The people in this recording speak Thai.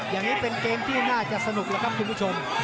อย่างนี้เป็นเกมที่น่าจะสนุกแล้วครับคุณผู้ชม